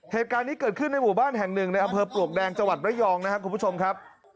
เหตุการณ์นี้เกิดขึ้นในหมู่บ้านแห่งหนึ่งเปอร์ปลวกแดงจวัดไบร่องคุณผู้ชมครับ